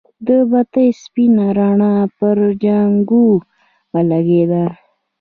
د بتۍ سپينه رڼا پر جانکو ولګېده.